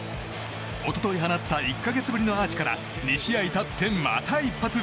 一昨日、放った１か月ぶりのアーチから２試合経って、また一発！